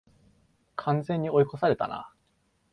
完全に追い越されたな